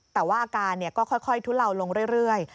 แต่ว่าอาการก็ค่อยทุเลาลงเรื่อย